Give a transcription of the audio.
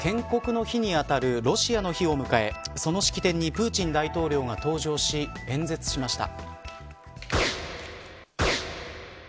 昨日、ロシアは建国の日にあたるロシアの日を迎えその式典にプーチン大統領が登場し演説しました。